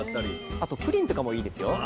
あとプリンとかもいいですよ。